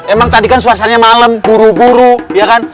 emang tadi kan suasananya malam buru buru ya kan